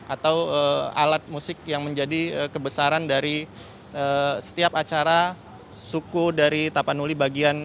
atau alat musik yang menjadi kebesaran dari setiap acara suku dari tapanuli bagian